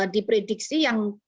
di prediksi yang